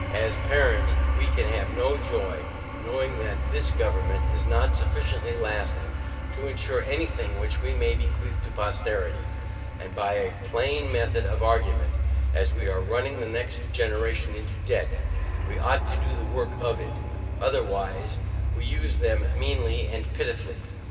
As parents, we can have no joy, knowing that THIS GOVERNMENT is not sufficiently lasting to ensure any thing which we may bequeath to posterity: And by a plain method of argument, as we are running the next generation into debt, we ought to do the work of it, otherwise we use them meanly and pitifully.